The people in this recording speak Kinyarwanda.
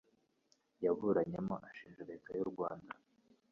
yaburanyemo ashinja leta y'u Rwanda.